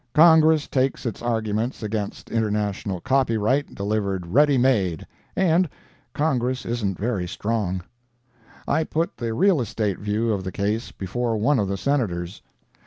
Congress takes its arguments against international copyright delivered ready made, and—Congress isn't very strong. I put the real estate view of the case before one of the Senators.